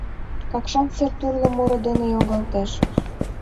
Какшан сер тӱрлӧ муро дене йоҥгалтеш.